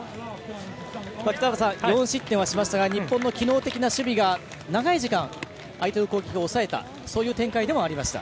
北原さん、４失点はしましたが日本の機能的な守備が長い時間、相手の攻撃を抑えたという展開でもありました。